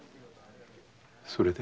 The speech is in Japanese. それで？